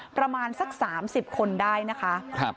ประมาณสัก๓๐คนได้นะคะ